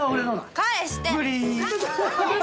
返して。